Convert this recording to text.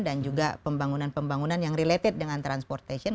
dan juga pembangunan pembangunan yang related dengan transportation